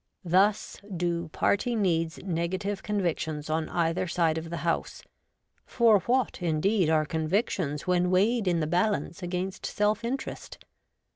Thus do party needs negative con victions on either side of the House ; for what, indeed, are convictions when weighed in the balance against self interest